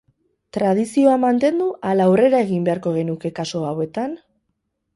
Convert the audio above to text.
Tradizioa mantendu ala aurrera egin beharko genuke kasu hauetan?